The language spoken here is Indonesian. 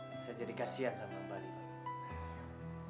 bisa jadi kasian sama balik